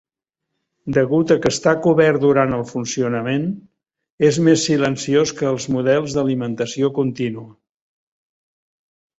Degut a que està cobert durant el funcionament, és mes silenciós que els models d"alimentació continua.